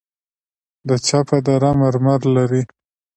د چپه دره مرمر لري